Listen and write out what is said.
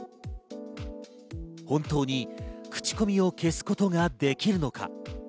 本当に口コミを消すことができるのか。